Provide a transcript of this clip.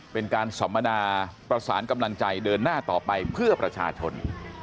เป็นการสัมมนาประสานกำลังใจเดินหน้าต่อไปเพื่อประชาชน